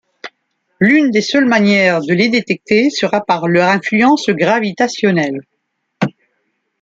L'une des seules manières de les détecter sera par leur influence gravitationnelle.